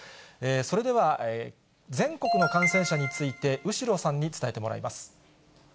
それでは全国の感染者について後呂さんに伝えてもらいます。